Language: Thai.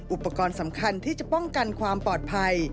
อุปกรณ์สำคัญที่จะป้องกันความปลอดภัย